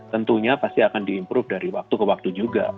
tentunya pasti akan di improve dari waktu ke waktu juga